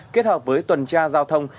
kết hợp với tuần tra giao thông